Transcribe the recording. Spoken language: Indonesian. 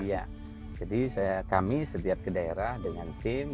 iya jadi kami setiap ke daerah dengan tim